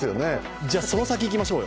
じゃあ、その先いきましょうよ。